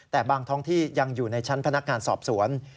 แต่บางท้องที่ยังอยู่ในชั้นพนักงานสอบสวน